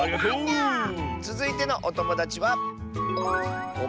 つづいてのおともだちは。